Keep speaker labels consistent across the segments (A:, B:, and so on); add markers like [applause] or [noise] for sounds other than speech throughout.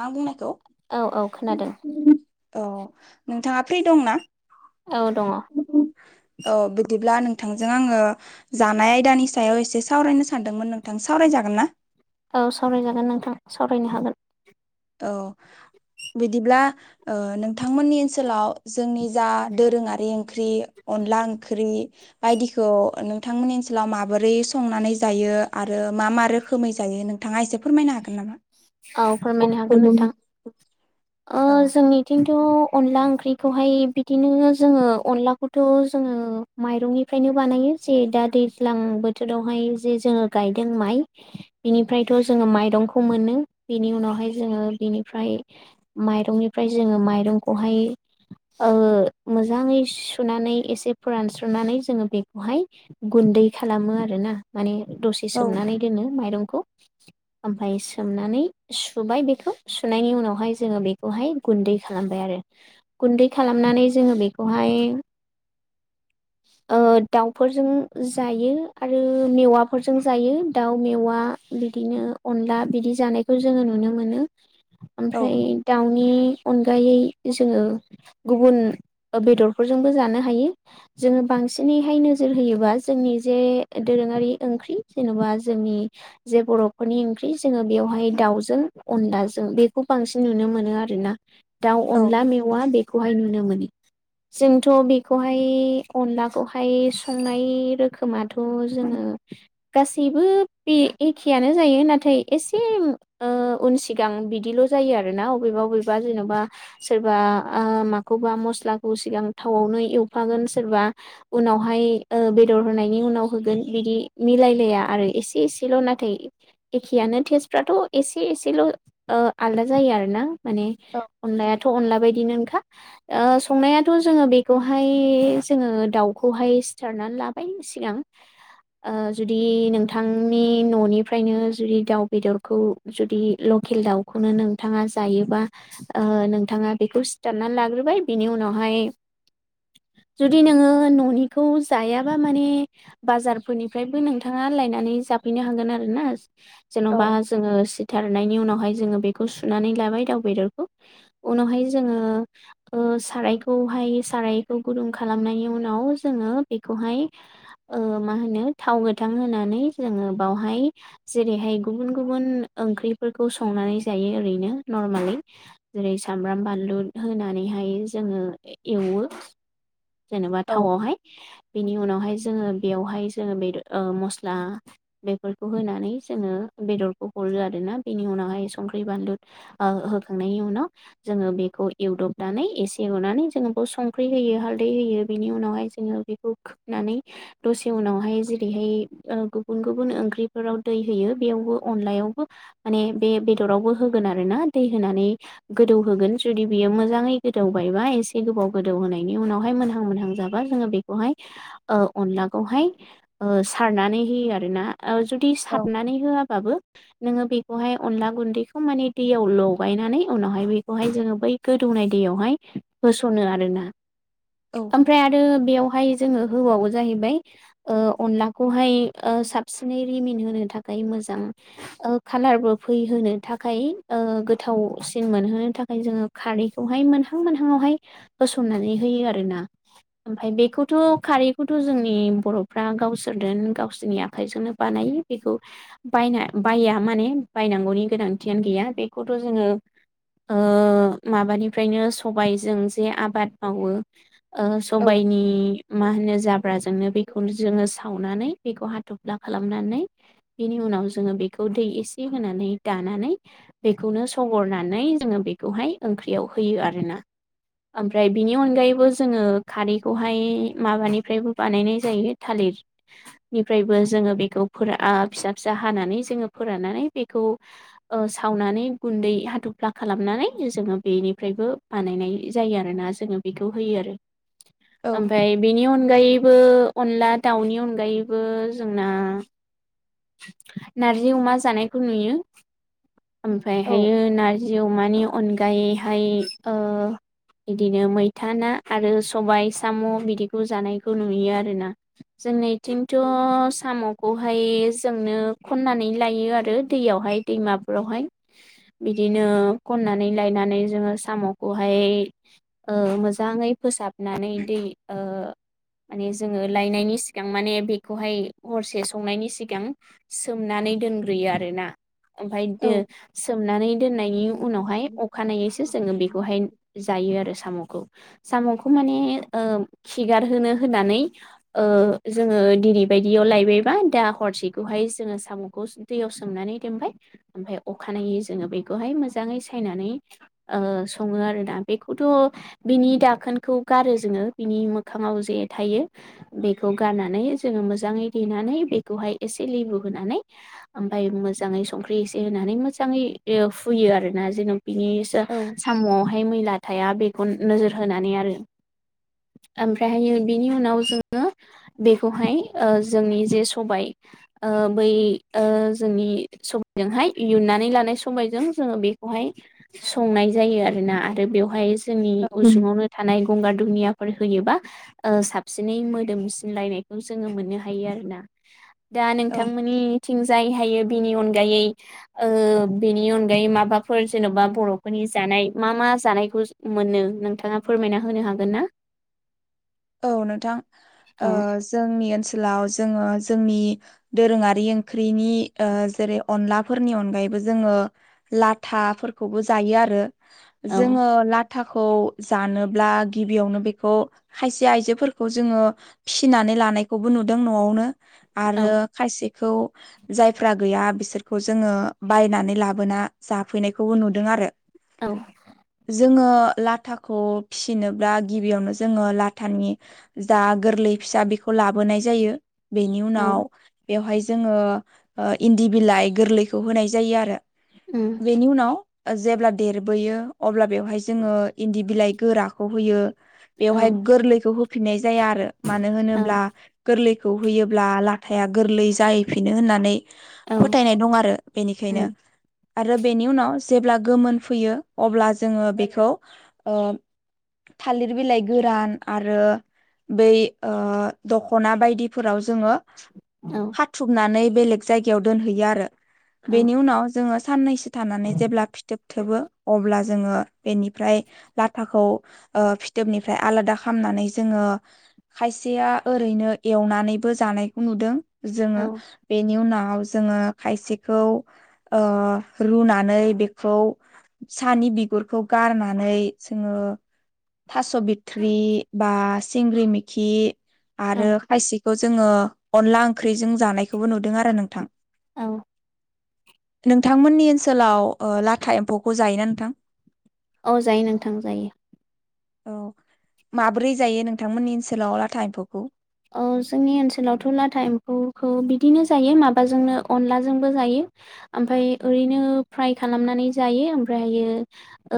A: आं बुंनायखौ
B: औ औ खोनादों
A: औ नोंथाङा फ्रि दं ना?
B: औ दङ
A: औ बिदिब्ला नों नोंथांजों आङो जानाय आयदानि सायाव एसे सावरायनो सानदोंमोन नोंथां सावरायजागोन ना?
B: औ सावरायजागोन नोंथां सावरायनो हागोन।
A: औ बिदिब्ला ओ नोंथांमोननि ओनसोलाव जोंनि जा दोरोङारि ओंख्रि अनला ओंख्रि बायदिखौ नोंथांमोननि ओनसोलाव माबोरै संनानै जायो आरो मा मा रोखोमै जायो नोंथाङा एसे फोरमायनो हागोन नामा?
B: औ फोरमायनो हागोन नोंथां ओ
A: औ
B: जोंनिथिं थ' अनला ओंख्रिखौहाय बिदिनो जोङो अनलाखौथ' जोङो माइरंनिफ्रायनो बानायो। जे दा दैज्लां बोथोरावहाय जे जोङो गायदों माइ बेनिफ्रायथ' जोङो माइ रंखौ मोनो। बेनि उनावहाय जोङो बिनिफ्राय माइरंनिफ्राय जोङो माइरंखौहाय ओ मोजाङै सुनानै एसे फोरानस्रनानै जोङो बेखौहाय गुन्दै खालामो आरोना माने दसे सोमनानै दोनो माइरंखौ ओमफ्राय सोमनानै सुबाय बेखौ सुनायनि उनावहाय जोङो बेखौहाय गुन्दै खालामबाय आरो गुन्दै खालाम खालामनानै जोङो बेखौहाय ओ दाउफोरजों जायो आरो मेवाफोरजों जायो दाउ मेवा बिदिनो अनला बिदि जानायखौ जोङो नुनो मोनो
A: औ
B: ओमफ्राय दाउनि अनगायै जोङो गुबुन बेदरफोरजोंबो जानो हायो जों ब बांसिनै नोजोर होयोबा जोंनि जे दोरोारि ओंख्रि जेनेबा जोंनि बे बर'फोरनि ओंख्रि जोङो बेवहाय दाउजों अनलाजों बेखौ बांसिन नुनो मोनो आरोना। दाउ
A: औ
B: अनला मेवा बेखौहाय नुनो मोनो। जोंथ' बेखौहाय अनलाखौहाय संनाय रोखोमाथ' जोङो गासैबो बे एखेआानो जायो नाथाय एसे ओ उन सिगां बिदिल' जायो आरोना बबेबा बबेबा जेन'बा सोरबा ओ मा मस्लाखौ सिगां थावावनो एवफागोन सोरबा उनावहाय ओ बेदर होनायनि उन उनाव होगोन बिदि मिलायलाया आरो एसे एसेल' नाथाय एखेआानो टेस्टफ्राथ' एसे एसेल' ओ आलदा जायो आरो ना माने
A: औ
B: अनलायाथ' अनला बायदि बिनोखा ओ संनायाथ' जोङो बेखौहाय जोङो दाउखौहाय सिथारनानै लाबाय सिगां ओ जुदि नोंथांनि न'निफ्रायनो जुदि दाउ बेदरखौ जुदि लकेल दाउखौनो नोंथाङा जायोबा ओ नोंथाङा बेखौ सिथारनानै लाग्रो बिनि उनहाय जुदि नोङो न'निखौ जायाबा माने बाजारफोरनिफ्रायबो नोंथाङा लायनानै ज हाफैनो हागोन आरोना जेन'बा ज थारनायनि उनावहाय जो बेखौ सुनानै लाबाय दाउ बेदरखौ उनावहाय जोङो सारायखौहाय सारायखौ गुदुं खालामनायनि उनाव जोङो बेखौहाय ओ मा होनो थाव गोथां होनानै जोङो बावहाय जेरैहाय गुबुन गुबुन ओंख्रिफोरखौ संनानै जायो ओरैनो नर्मालि जेरै सामब्राम बानलु होनानैहाय जोङो ऐवो जेनबा
A: औ
B: थावआवहाय बेनि उनावहाय जोङो बेयावहाय जोङो बेदर ओ मस्ला बेफोरखौ होनानै जोङो बेदरखौ हरो आर ना बेनि उनावहाय संख्रि बानलु ओ होखांनायनि उनाव जोङो बेखौ एवदब दानै एसे एनानै जोङो संख्रि होयो हालदै होयो बिनि उनावहाय जोङो बेखौ खोबनानै दसे उनावहाय जेरैहाय गुबुन गुबुन ओंख्रिफोराव दै होयो बेयावबो अनलायाव बो माने बे बेदरावबो होगोन आरोना दै होनानै गोदौ होगोन जुदि बियो मोजाङै गोदौबायबा ऐसे गोबाव गोदोनि होनायनि उनावहाय मोनहां मोनहां जाबा जोङो बेखौहाय ओ अन लाखौहाय ओ सारनानै होयो आरो ना ओ जुदि
A: औ
B: सारनानै होआबाबो नोङो बेखौहाय अनला गुन्दैखौ माने दैयाव लगायनानै उनावहाय बेखौहाय जोङो बै गोदौ नाय दैआवहाय होसनो आरोना ओमफ्राय आरो बेयावहाय जोङो हबावो जाहैबाय ओ अनलाखौहाय ओ साबसिनै रिमिन होनो थाखाय मोजां ओ कालारबो फैहोनो थाखाय ओ गोथावसिन मोनहोनो थाखाय जोङो खारै बेखौहाय मोनहां मोनहां हाय होसननानै होयो आरोना। ओमफ्राय बेखौथ' खारैखौथ' जोंनि बर'फ्रा गावसोरजों गावसोरनि आखाइजोंनो बानाय बेखौ बायना बाया माने बायनांगौनि गोनांथियानो गैया बेखौथ' जोङो ओ माबानिफ्रायनो सबायजों जे आबाद मावो। ओ
A: औ
B: सबायनि मा होनो जो जाब्राजोंनो बेखौ जोङो सावनानै बेखौ हाथफ्ला खालामनानै बेनि उनाव जोङो बेखौ एसे दै होनानै दानानै बेखौनो सहरनानै जोङो बेखौहाय ओंख्रियाव होयो आरोना। ओमफ्राय बिनि अनगायैबो जोङो खारैखौहाय माबानिफ्रायबो बानायनाय जायो थालिर निफ्रायबो जोङो बेखौ फोर ओ फिसा फिसा हानानै जोङो फोराननानै बेखौ ओ सावनानै गुन्दै हाथ'फ्ला खालामनानै ज जोङो बेनिफ्रायबो बानायनाय जायो आरोना जोङो बेखौ होयो आरो।
A: औ
B: ओमफफ्राय बेनि अनगायै बो अनला दाउनि अनगायैबो जोंना नारजि अमा जानायखौ नुयो
A: औ
B: ओमफ्रायहायो नारजि अमानि अनगायैहाय ओ बिदिनो मैथा ना आरो सबाय साम' बिदिखौ जानायखौ नुयो आरो ना। जोंनिथिंथ' साम'खौहाय जोंनो खननानै लायो आरो दैयावहाय दैमाफोरावहाय बिदिनो खननानै लायना नै जोङो साम'खौहाय ओ मोजाङै फोसाब नानैै दै ओ माने जोङो लायनायनि सिगां माने बेखौहाय हरसे संनायनि सिगां सोमनानै दोनग्रोयो आरोना ओमफ्राय
A: औ
B: दो सोमनानै दोननायनि उनावहाय अखानायैसो जोङो बेखौहाय जायो। आरो साम'खौ साम' खौ माने ओ खिगारहोनो होननानै ओ जोङो दिनैबायदियाव लायबाय बा दा हरसेखौहाय जोङो साम'खौ दैयाव सोमनानै दोनबाय ओमफ्राय अखानायै जोङो बेखौहाय मोजाङै सायनानै ओ सङो आरोना। बेखौथ' बिनि दाखोनखौ गारो जोङो बिनि मोखां ङाव जे थायो बेखौ गारनानै जोङो मोजाङै देनानै बेखौहाय एसे लेबु होनानै ओमफ्राय मोजाङै संख्रि एसे होनानै मोजाङै ओ फुयो आरोना जेन' बिनि
A: औ
B: साम'आवहाय मैला थाया बेखौ नोजोर होनानै आरो ओमफ्रायहायो बिनि उनाव जोङो बेखौहाय ओ जोंनि जे सबाय ओ बै ओ जोंनि सबायजोंहाय इयुननानै लानाय समबायजों जोङो बेखौहाय संनाय जायो आरोना आरो बेवहाय जोंनि उसुङावनो थानाय गंगार दुनिया फोर होयोबा ओ साबसिनै मोदोमसिनलायनायखौ जोङो मोननो हायो आरोना दा
A: औ
B: थांमोननि थिं जाय हायो बिनि अनगायै ओ बिनि अनगायै माबाफोर जेन'बा बर'फोरनि जा नाय मा मा जानायखौ मोननो नोंथाङा फोरमायना होनो हागोन ना
A: औ नोंथां
B: औ
A: ओ जोंनि ओनसोलाव जोङो जोंनि दोरोङारि ओंख्रिनि ओ जेरै अनलाफोरनि अनगायैबो जोङो लाथाफोरखौबो जायो आरो
B: औ
A: जोङो लाथाखौ जानोब्ला गिबियावनो बेखौ खायसे आइजोफोरखौ जोङो फिसिनानै लानायखौबो नुदों न'आवनो
B: औ
A: आरो खायसे खौ जायफ्रा गैया बिसोरखौ जोङो बायनानै लाबोना जाफैनायखौबो नुदों आरो।
B: औ
A: जोङो लाथाखौ फिसिनोब्ला गिबियावनो जोङो लाथानि जा गोरलै फिसा बेखौ लाबोनाय जायो बेनि
B: औ
A: उनाव बेवहाय जोङो ओ इन्दि बिलाइ गोरलैखौ होनाय जायो। आरो
B: उम
A: बेनि उनाव ओ जेब्ला देरबोयो अब्ला बेवहाय जोङो इन्दि बिलाइ गोराखौ होयो
B: औ
A: बेवहाय गोरलैखौ होफिननाय जाया आरो मानो होनोब्ला
B: औ
A: गोरलै खौ होयोब्ला लाथाया गोरलै जाहैफिनो होननानै
B: औ
A: फोथायनाय दं आरो बेनिखायनो आरो बेनि उनाव जेब्ला गोमोन फैयो अब्ला जोङो बेखौ ओ थालिर बिलाइ गोरान आरो बै दख'ना ओ बायदिफोराव जोङो खाथुबनानै बेलेग जायगायाव दोनहैयो आरो।
B: औ
A: बेनि उनाव जोङो साननैसो थानानै जेब्ला फिथोब थोबो अब्ला जोङो बेनिफ्राय लाथाखौ ओ फिथोबनिफाय आलादा खामनानै जोङो खायसेया ओरैनो एवनानैबो जानायखौ नुदों जोङो बेनि उनाव जोङो खायसेखौ ओ रुनानै बेखौ सानि बिगुरखौ गारनानै जोङो थास' बिथ्रि बा सिंग्रि मिखि आरो
B: औ
A: खायसे खौ जोङो अनला ओंख्रिजों जानायखौबो नुदों आरो नोंथां
B: औ
A: नोंथांमोननि ओनसोलाव ओ लाथा एम्फौखौ जायोना नोंथां
B: औ जायो नोंथां जायो
A: औ माबोरै जायो नोंथांमोननि ओनसोलाव लाथा एम्फौखौ
B: ओ जोंनि ओनसोलावथ' लाथा एम्फौखौ बिदिनो जायो माबाजोंनो अनलाजोंबो जायो ओमफ्राय ओरैनो फ्राय खालामनानै जायो ओमफ्राय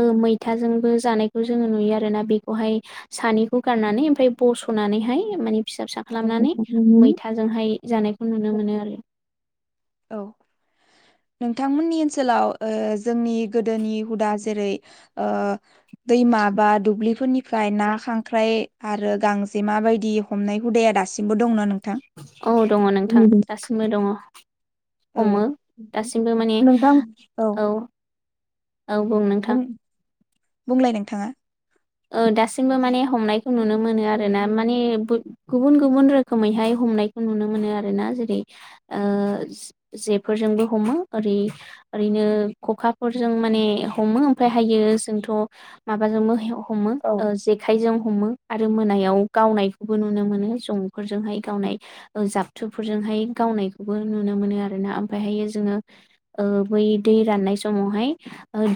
B: ओ मैथाजोंब बो जानायखौ जोङो नुयो आरो ना बेखौहाय सानखौ गारनानै ओमफराय बसनानै हाय माने फिसा फिसा
A: औ
B: खालामनानै मैथाजोंहाय जानायखौ नुनो मोनो आरो।
A: औ नोंथांमोननि ओनसोलाव ओ जोंनि गोदोनि हुदा जेरै- ओ दैमा बा दुब्लिफोरनिफ्राय ना खांख्राइ आरो गांजेमा बायदि हमनाय हुदाया दासिबो दं ना नों
B: औ दङ नोंथां दासिमबो दङ। हमो दासिमबो माने
A: नोंथां
B: औ औ बुं नोंथां
A: बुंलाय नोंथाङा
B: ओ दासिमबो माने हमनायखौ नुनो मोनो आरो ना माने बय गुबुन गुबुन रोखोमैहाय हमनायखौ नुनो मोनो आरो ना जेरै- ओ जे-जेफोरजोंबो हमो ओरै ओरैनो खखाफोरजों माने हमो ओमफ्राय हायो जोंथ' माबाजोंनो [unintelligible] हमो
A: औ
B: ओ जेखायजों हमो आरो मोनायाव गावनायखौबो नुनो मोनो जंफोरजोंहाय गावनाय जाबथुफोरजों हाय गावनायखौबो नुनो मोनो आरोना ओमफ्रायहायो जोङो ओ बै दै राननाय समावहाय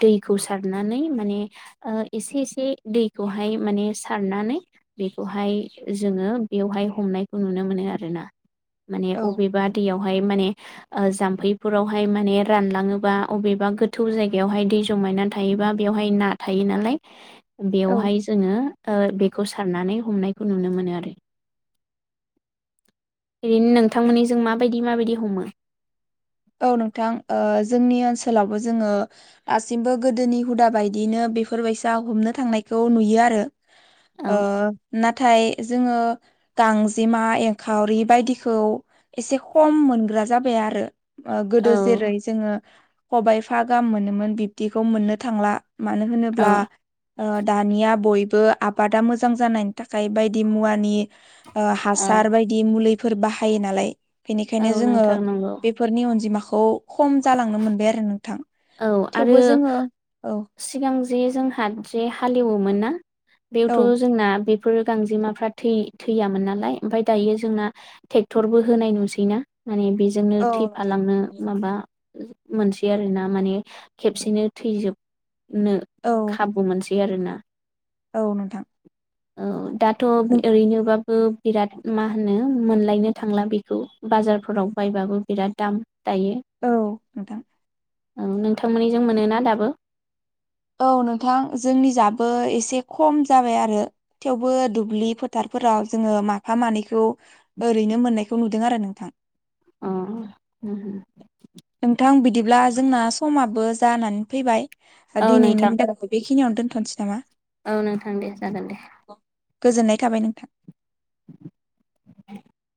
B: दैखौ सारनानै माने ओ एसे एसे दैखौहाय माने सारनानै बेखौहाय जोङो बेवहाय हमनायखौ नुनो मोनो आरोना माने
A: औ
B: अबेबा दैयावहाय माने ओ जाम्फैफोरावहाय माने रानलाङोबा अबेबा गोथौ जायगायावहाय दै जमायनानै थायो बा बेवहाय ना थायो नालाय
A: औ
B: बेवहाय जोङो ओ बेखौ सारनानै हमनायखौ नुनो मोनो आरो ओरैनो नोंथांमोननि जों माबायदि माबायदि हमो
A: औ नोंथां ओ जोंनि ओनसोलावबो जोङो दासिमबो गोदोनि हुदा बायदियैनो बेफोरबायसा हमनो थांनायखौ नुयो आरो।
B: औ
A: ओ नाथाय जोङो गांजेमा एंखावरि बायदिखौ एसे खम मोनग्रा जाबाय आरो ओ
B: औ
A: गोदो जेरै- जोङो खबायाइफा गाहाम मोनोमोन बिब्दिखौ मोननो थांला मानो
B: औ
A: होनोब्ला ओ दानिया बय बो आबादा मोजां जानायनि थाखाय बायदि मुवानि ओ हासार
B: औ
A: बायदि मुलिफोर बा हायो नालाय
B: औ
A: बेनिखायनो जोङो
B: नोंथां नंगौ
A: बेफोरनि अनजिमाखौ खम जालांनो मोनबाय आरो नोंथां
B: औ आरो
A: थेवबो जोङो औ
B: सिगां दि जोंहा जे हालेवोमोन ना
A: औ
B: बेयावथ' जोंना बे फोर गांजेमाफ्रा थै-थैयामोन नालाय ओमफाय दायो जोंना टेक्टरबो होनाय नुसैना माने बेजोंनो
A: औ नोंथां
B: थैफालांनो माबा मोनसै आरो ना माने खेबसेनो थैजोबनो
A: औ
B: खाबु मोनसै आरोना
A: औ नोंथ
B: औ दाथ' ओरैनोबा बो बिराद मा होनो मोनलायनो थांला बेखौ बाजारफोराव बायबाबो बिराद दाम दायो
A: औ नोंथां
B: ओं नोंथांमोननिजों मोनोना दाबो
A: औ नोंथां जोंनि जाबो एसे खम जाबाय आरो थेवबो दुब्लि फोथार फोराव जोङो माफा मानैखौ ओरैनो मोननायखौ नुदों आरो नोंथां।
B: अ ओम ओम
A: नोंथां बिदिब्ला जोंना समाबो जानानै फैबाय
B: औ
A: दिनैनि
B: नोंथां
A: [inaudible] बे खिनियावनो दोनथ'नसै नामा?
B: औ नोंथां दे जागोन दे।
A: गोजोननाय थाबाय नोंथां।
B: [inaudible]